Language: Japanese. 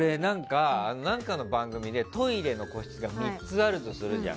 なんかの番組でトイレの個室が３つあるとするじゃん。